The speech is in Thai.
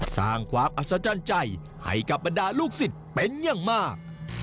สร้างความอัศจรรย์ใจให้กับบรรดาลูกศิษย์เป็นอย่างมาก